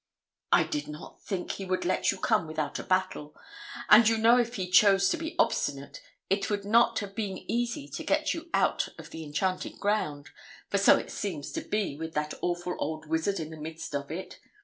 'I did not think he would let you come without a battle; and you know if he chose to be obstinate it would not have been easy to get you out of the enchanted ground, for so it seems to be with that awful old wizard in the midst of it.